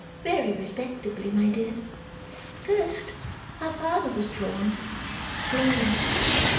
Ve ry respectably, my dear! First, our father was drawn slowly.